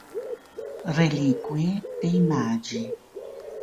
Reliquie dei Magi